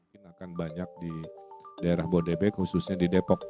mungkin akan banyak di daerah bodebek khususnya di depok